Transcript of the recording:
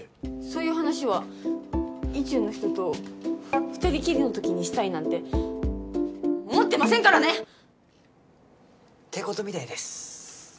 そういう話は意中の人と２人きりのときにしたいなんて思ってませんからねってことみたいです